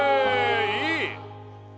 いい！